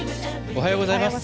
おはようございます。